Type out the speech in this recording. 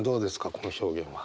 この表現は。